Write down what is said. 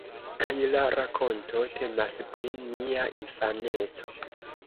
Kaj la rakonto temas pri mia infaneco.